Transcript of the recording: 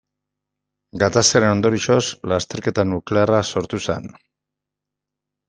Gatazkaren ondorioz lasterketa nuklearra sortu zen.